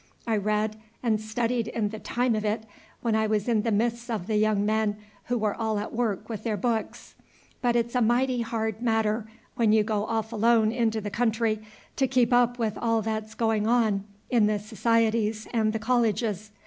I read and studied in the time of it, when I was in the midst of the young men who were all at work with their books; but it's a mighty hard matter, when you go off alone into the country, to keep up with all that's going on in the Societies and the Colleges.